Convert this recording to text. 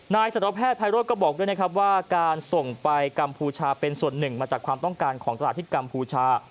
สารวแพทย์ภัยโรธก็บอกด้วยนะครับว่าการส่งไปกัมพูชาเป็นส่วนหนึ่งมาจากความต้องการของตลาดที่กัมพูชา